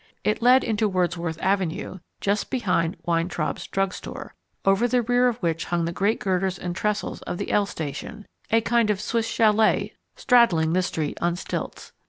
It led into Wordsworth Avenue just behind Weintraub's drug store, over the rear of which hung the great girders and trestles of the "L" station, a kind of Swiss chalet straddling the street on stilts.